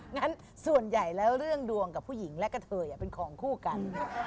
งั้นส่วนใหญ่แล้วเรื่องดวงกับผู้หญิงและกะเทยเป็นของคู่กัน